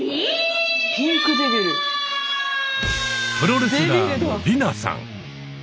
プロレスラーの吏南さん。